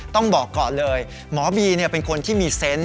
ต้องบอกก่อนเลยหมอบีเป็นคนที่มีเซนต์